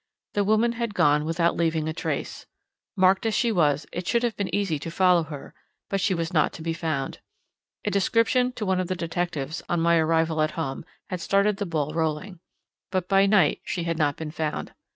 The woman had gone without leaving a trace. Marked as she was, it should have been easy to follow her, but she was not to be found. A description to one of the detectives, on my arrival at home, had started the ball rolling. But by night she had not been found.